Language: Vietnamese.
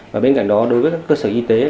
và bên cạnh đó đối với các cơ sở y tế